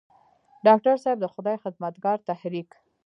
ډاکټر صېب د خدائ خدمتګار تحريک